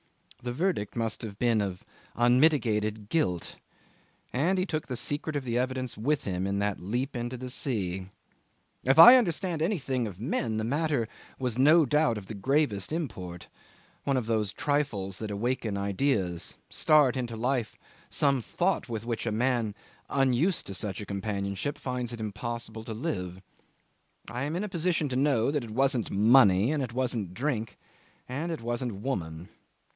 The verdict must have been of unmitigated guilt, and he took the secret of the evidence with him in that leap into the sea. If I understand anything of men, the matter was no doubt of the gravest import, one of those trifles that awaken ideas start into life some thought with which a man unused to such a companionship finds it impossible to live. I am in a position to know that it wasn't money, and it wasn't drink, and it wasn't woman.